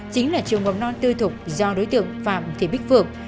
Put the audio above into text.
chính là trường mầm non tư thục do đối tượng phạm thị bích phượng